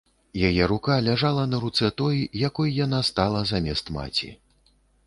Яе рука ляжала на руцэ той, якой яна стала замест маці.